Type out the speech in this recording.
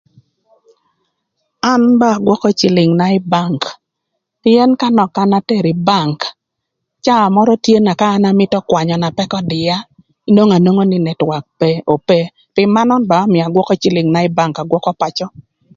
An ba agwökö cïlïngna ï Bang pïën ka nök an atero ï Bang caa mörö tye na ka an amïtö kwanyö na pëkö ödïa nwongo anwongo nï nëtwak pe ope pï manön ba ömïa agwökö cïlïngna ï Bang agwökö pacö.